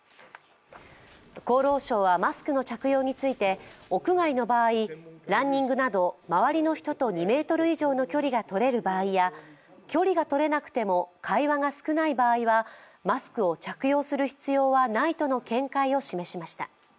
厚労省はマスクの着用について屋外の場合、ランニングなど周りの人と２ｍ以上の距離がとれる場合や距離がとれなくても会話が少ない場合はマスクを着用する必要はないとの見解を示しました。